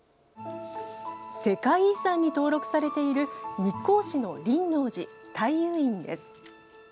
世界遺産に登録されている日光市の輪王寺大猷院です。